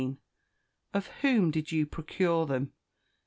Of whom did you procure them?